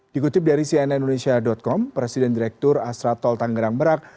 dikutip dari cnn indonesia com presiden direktur astra tol tangerang merak